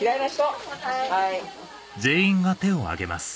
・・はい！